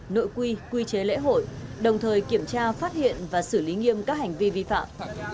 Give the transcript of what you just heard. nội quy quy chế lễ hội đồng thời kiểm tra phát hiện và xử lý nghiêm các hành vi vi phạm